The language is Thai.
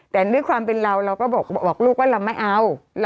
แต่ด้วยความเป็นเราเราก็บอกลูกว่าเราไม่เอา